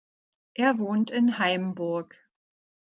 Er wohnt in Haimburg.